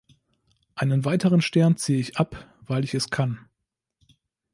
Einen weiteren Stern ziehe ich ab, weil ich es kann.